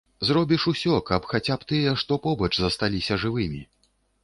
Зробіш усё, каб хаця б тыя, што побач, засталіся жывымі.